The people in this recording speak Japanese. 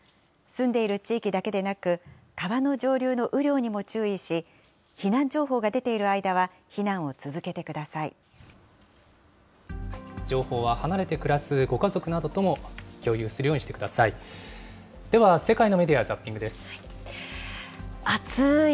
住んでいる地域だけでなく、川の上流の雨量にも注意し、避難情報が出ている間は避難を続けてくだ情報は離れて暮らすご家族などとも共有するようにしてください。